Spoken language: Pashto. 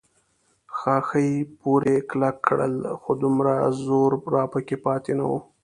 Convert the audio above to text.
ښاخې پورې کلک کړل، خو دومره زور راپکې پاتې نه و.